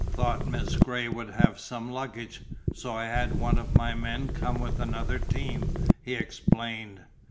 "Thought Miss Gray would have some luggage, so I had one of my men come with another team," he explained.